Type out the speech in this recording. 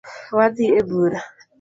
Wadhi ebura